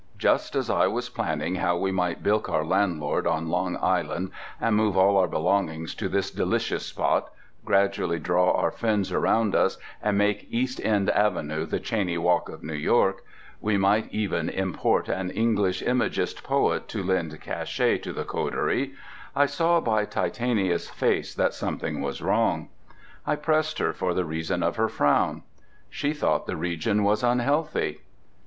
Just as I was planning how we might bilk our landlord on Long Island and move all our belongings to this delicious spot, gradually draw our friends around us, and make East End Avenue the Cheyne Walk of New York—we might even import an English imagist poet to lend cachet to the coterie—I saw by Titania's face that something was wrong. I pressed her for the reason of her frown. She thought the region was unhealthy.